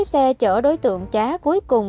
xe chở đối tượng chá cuối cùng